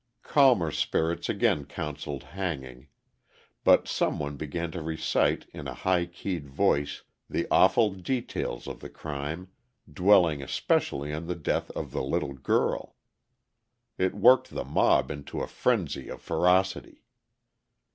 Calmer spirits again counselled hanging, but some one began to recite in a high keyed voice the awful details of the crime, dwelling especially on the death of the little girl. It worked the mob into a frenzy of ferocity.